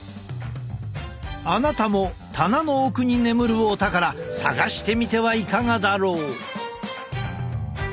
あなたも棚の奥に眠るお宝探してみてはいかがだろう？